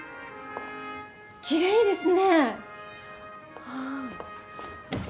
きれいですね。